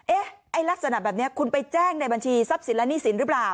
ไอ้ลักษณะแบบนี้คุณไปแจ้งในบัญชีทรัพย์สินและหนี้สินหรือเปล่า